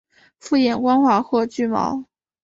复眼光滑或具毛。